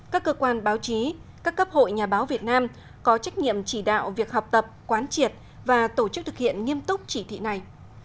các cơ quan báo chí các cấp hội nhà báo việt nam có trách nhiệm chỉ đạo việc học tập quán triệt và tổ chức thực hiện nghiêm túc chỉ thị này